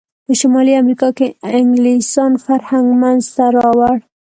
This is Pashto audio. په شمالي امریکا کې انګلسان فرهنګ منځته راوړ.